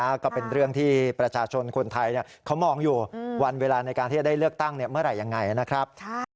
ก็เป็นเรื่องที่ประชาชนคนไทยเขามองอยู่วันเวลาในการที่จะได้เลือกตั้งเมื่อไหร่ยังไงนะครับ